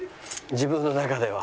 自分の中では。